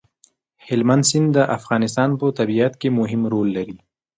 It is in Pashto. هلمند سیند د افغانستان په طبیعت کې مهم رول لري.